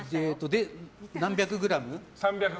で、何百グラム？